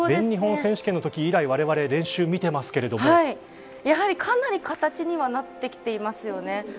全日本選手権のとき以来われわれ練習を見ていますがかなり形にはなってきていますね。